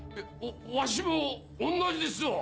わしも同じですよ！